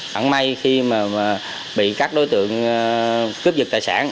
bạn may khi mà bị các đối tượng cướp dựt tài sản